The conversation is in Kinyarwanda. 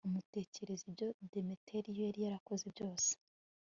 amutekerereza ibyo demetiriyo yari yarakoze byose